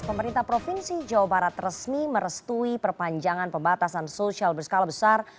pemerintah provinsi jawa barat resmi merestui perpanjangan pembatasan sosial berskala besar